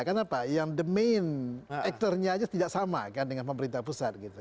ya karena apa yang the main aktornya aja tidak sama kan dengan pemerintah pusat gitu